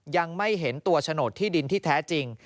ยังไม่เห็นตัวโฉนดที่ดินที่แท้จริง